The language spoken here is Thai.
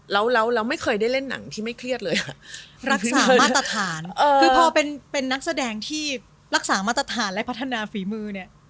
แล้วเราไม่เคยได้เล่นหนังที่ไม่เครียดเลยอ่ะรักษามาตรฐานคือพอเป็นนักแสดงที่รักษามาตรฐานและพัฒนาฝีมือเนี่ย